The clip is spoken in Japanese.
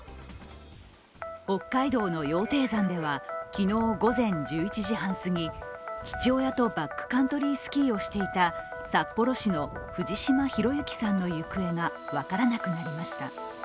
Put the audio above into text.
北海道の羊蹄山では昨日午前１１時半すぎ、父親とバックカントリースキーをしていた札幌市の藤島裕之さんの行方が分からなくなりました。